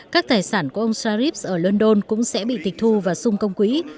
các tài sản của ông sharif ở london cũng sẽ bị tịch thu và sung công quỹ